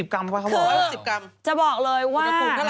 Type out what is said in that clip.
คือจะบอกเลยว่า